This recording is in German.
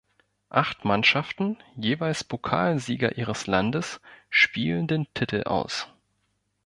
Acht Mannschaften, jeweils Pokalsieger ihres Landes, spielen den Titel aus.